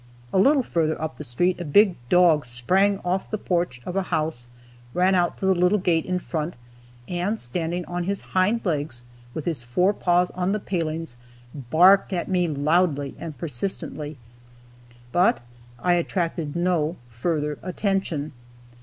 A little further up the street a big dog sprang off the porch of a house, ran out to the little gate in front, and standing on his hind legs with his fore paws on the palings, barked at me loudly and persistently, but I attracted no further attention.